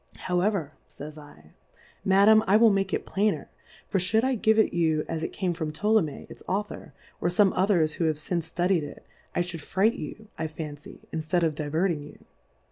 However, fays I, Madam, I will make it plainer ; for lliould I give it you as it came from Ptolomey its Author, or fome others who have fince ftudied it, I fhouW fright you, 1 fancy, inftead of diverting you.